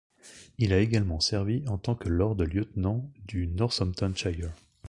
Il a également servi en tant que Lord Lieutenant du Northamptonshire.